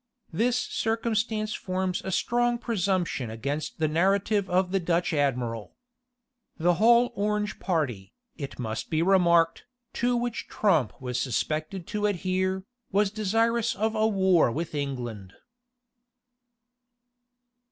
This circumstance forms a strong presumption against the narrative of the Dutch admiral. The whole Orange party, it must be remarked, to which Tromp was suspected to adhere, was desirous of a war with England.